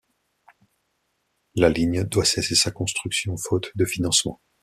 La ligne doit cesser sa construction, faute de financement.